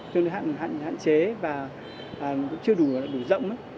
tương đối hạn chế và cũng chưa đủ rộng lắm